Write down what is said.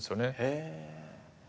へえ。